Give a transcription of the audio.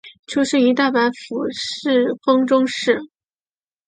出身于大阪府丰中市。